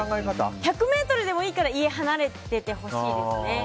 １００ｍでもいいから家は離れててほしいですね。